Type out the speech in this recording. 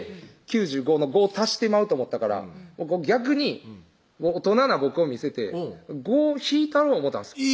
９５の５を足してまうと思ったから逆に大人な僕を見せて５引いたろ思たんですよ